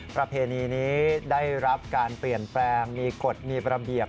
ประเพณีนี้ได้รับการเปลี่ยนแปลงมีกฎมีระเบียบ